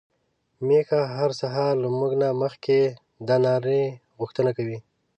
ميښه هر سهار له موږ نه مخکې د ناري غوښتنه کوي.